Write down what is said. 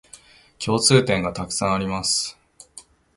共通点がたくさんあります